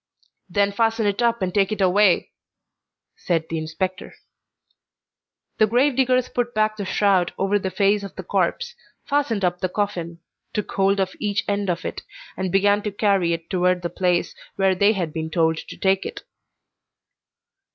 "Then fasten it up and take it away," said the inspector. The grave diggers put back the shroud over the face of the corpse, fastened up the coffin, took hold of each end of it, and began to carry it toward the place where they had been told to take it.